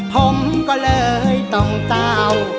ผมก็เลยต้องเต่า